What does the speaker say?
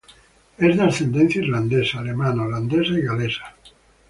Es de ascendencia irlandesa, alemana, holandesa y galesa.